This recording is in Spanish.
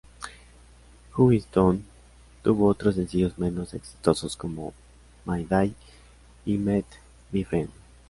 Huntington tuvo otros sencillos menos exitosos, como ""May Day"" y ""Meet My Friend"".